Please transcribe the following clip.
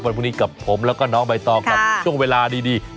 พรุ่งนี้กับผมแล้วก็น้องใบตองกับช่วงเวลาดี